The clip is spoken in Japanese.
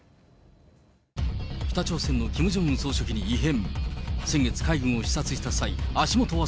北朝鮮のキム・ジョンウン総書記に異変。